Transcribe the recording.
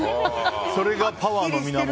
それがパワーの源。